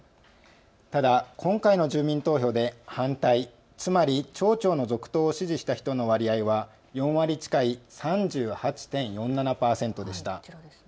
ただ今回の住民投票で反対、つまり町長の続投を支持した人の割合は４割近い３８．４７％でした。